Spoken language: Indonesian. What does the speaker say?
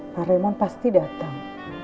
pak raymond pasti datang